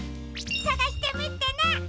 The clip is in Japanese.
さがしてみてね！